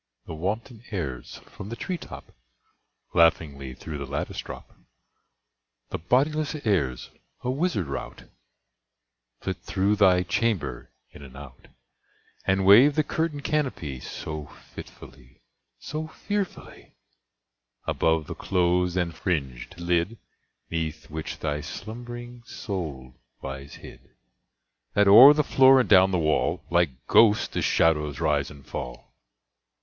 The wanton airs, from the tree top, Laughingly through the lattice drop— The bodiless airs, a wizard rout, Flit through thy chamber in and out, And wave the curtain canopy So fitfully—so fearfully— Above the closed and fringèd lid 'Neath which thy slumb'ring soul lies hid, That o'er the floor and down the wall, Like ghosts the shadows rise and fall!